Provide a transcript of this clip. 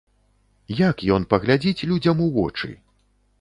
Як ён паглядзіць людзям у вочы?